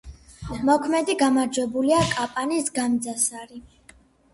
მოქმედი გამარჯვებულია კაპანის „განძასარი“.